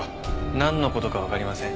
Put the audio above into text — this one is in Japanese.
なんの事かわかりません。